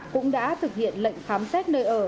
cũng đã thực hiện lệnh khám xét nơi ở